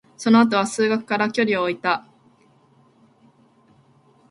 その後は、数学から距離を置いた隠遁生活を送るようになった。